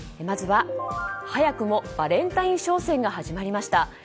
まずは早くもバレンタイン商戦が始まりました。